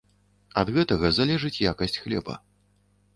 Ад гэтага залежыць якасць хлеба.